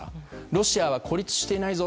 ロシアは孤立していないぞ